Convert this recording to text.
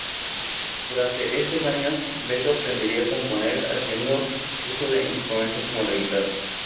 Durante estos años, Beto aprendería a componer haciendo uso de instrumentos como la guitarra.